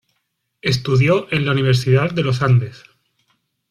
Estudió en la Universidad de los Andes.